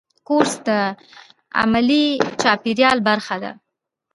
کورس د علمي چاپېریال برخه ده.